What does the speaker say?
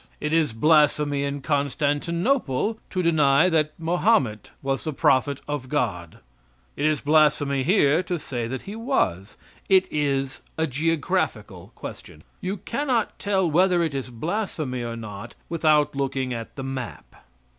It is blasphemy in Constantinople to deny that Mahomet was the Prophet of God; it is blasphemy here to say that he was. It is a geographical question; you cannot tell whether it is blasphemy or not without looking at the map.